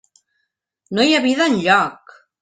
No hi havia vida enlloc!